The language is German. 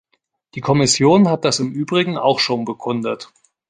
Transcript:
Die Kommission hat das im übrigen auch schon bekundet.